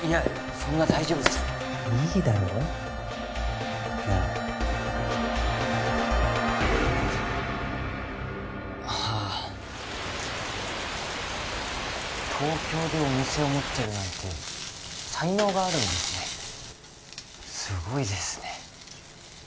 そんな大丈夫ですいいだろなあはあ東京でお店を持ってるなんて才能があるんですねすごいですね